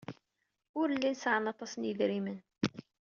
Ur llin sɛan aṭas n yedrimen.